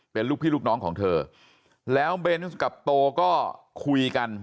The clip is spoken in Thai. เป็นลูกพี่ลูกน้องของเธอแล้วเบนส์กับโตก็คุยกัน